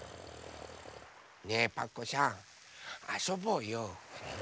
ねえパクこさんあそぼうよ。